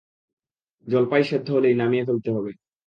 জলপাই সেদ্ধ হলেই নামিয়ে ফেলতে হবে।